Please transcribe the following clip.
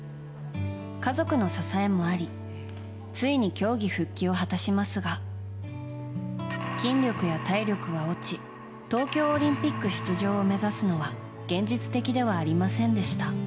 家族の支えもありついに競技復帰を果たしますが筋力や体力は落ち東京オリンピック出場を目指すのは現実的ではありませんでした。